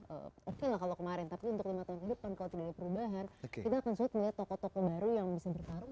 oke lah kalau kemarin tapi untuk lima tahun ke depan kalau tidak ada perubahan kita akan sulit melihat tokoh tokoh baru yang bisa bertarung